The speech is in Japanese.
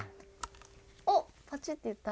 おっパチッていった。